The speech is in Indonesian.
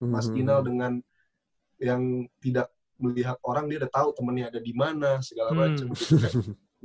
mas jinal dengan yang tidak melihat orang dia udah tau temennya ada dimana segala macem